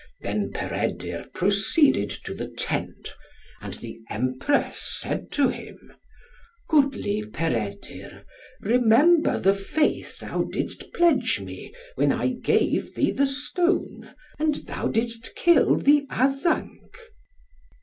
Then Peredur proceeded to the tent, and the Empress said to him, "Goodly Peredur, remember the faith thou didst pledge me when I gave thee the stone, and thou didst kill the Addanc."